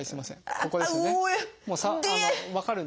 ここですね。